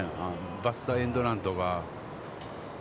バスターエンドランとか。